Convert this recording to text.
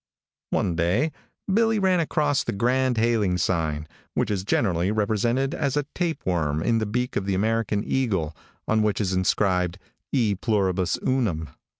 One day Billy ran across the grand hailing sign, which is generally represented as a tapeworm in the beak of the American eagle, on which is inscribed "E Pluribus Unum."